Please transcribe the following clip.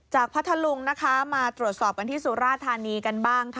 จากพัทลุงมาตรวจสอบกันที่สุราธารณีกันบ้าง